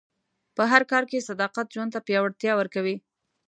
په هر کار کې صداقت ژوند ته پیاوړتیا ورکوي.